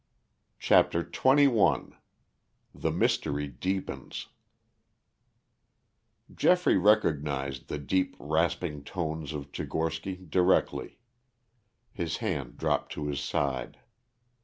CHAPTER XXI THE MYSTERY DEEPENS Geoffrey recognized the deep rasping tones of Tchigorsky directly. His hand dropped to his side.